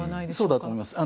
そうだと思います。